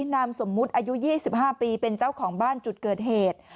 นามสมมุติอายุ๒๕ปีเป็นเจ้าของบ้านจุดเกิดเหตุ